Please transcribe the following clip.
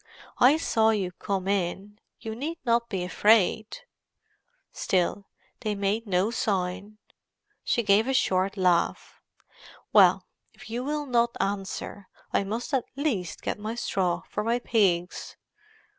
"I saw you come in. You need not be afraid." Still they made no sign. She gave a short laugh. "Well, if you will not answer, I must at least get my straw for my pigs."